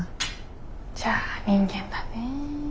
じゃあ人間だね。